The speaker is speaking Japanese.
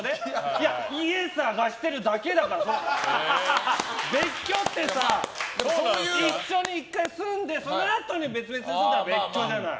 いや、家探してるだけだから！別居ってさ一緒に１回住んでそのあとに別々に住んだら別居じゃない？